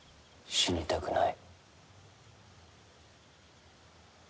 死にたくない。